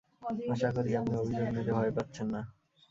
আশা করি আপনি অভিযোগ নিতে ভয় পাচ্ছেন না?